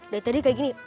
dari tadi kayak gini